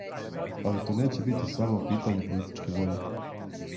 Али то неће бити само питање политичке воље.